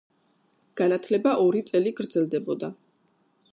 განათლება ორი წელი გრძელდებოდა.